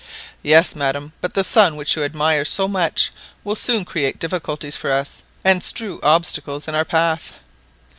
"Yes, madam; but the sun which you admire so much will soon create difficulties for us, and strew obstacles in our path."